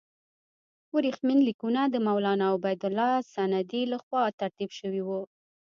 ورېښمین لیکونه د مولنا عبیدالله سندي له خوا ترتیب شوي وو.